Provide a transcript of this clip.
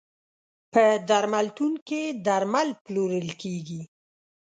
په درملتون کې درمل پلورل کیږی.